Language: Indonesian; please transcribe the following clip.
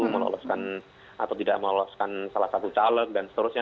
meloloskan atau tidak meloloskan salah satu caleg dan seterusnya